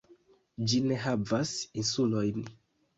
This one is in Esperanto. Ĝi ne havas insulojn.